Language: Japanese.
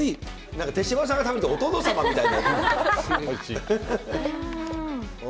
なんか手嶋さんが食べるとお殿様みたい。